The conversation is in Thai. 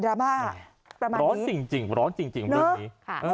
อ่ะดราม่าประมาณนี้ร้อนสิ่งจริงร้อนสิ่งจริงเพราะวันนี้